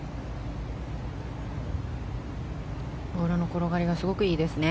ボールの転がりがすごくいいですね。